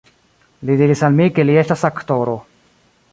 Li diris al mi, ke li estas aktoro.